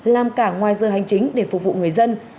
làm cả ngoài giờ hành chính để phục vụ người dân